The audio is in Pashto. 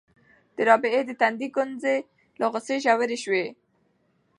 د رابعې د تندي ګونځې له غوسې ژورې شوې.